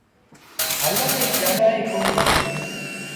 هلڻ ريٚ جآڳآ ئيٚ ڪونا هُݩديٚ۔